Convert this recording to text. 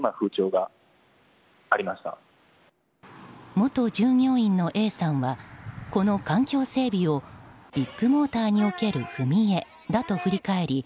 元従業員のＡさんはこの環境整備をビッグモーターにおける踏み絵だと振り返り